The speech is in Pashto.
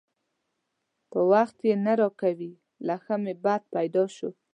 په وخت یې نه راکوي؛ له ښه مې بد پیدا شو.